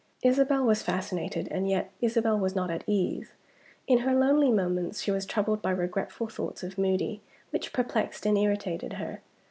Isabel was fascinated, and yet Isabel was not at ease. In her lonely moments she was troubled by regretful thoughts of Moody, which perplexed and irritated her.